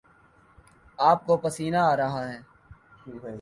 آپ کو پسینہ آرہا ہے